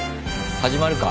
始まるか？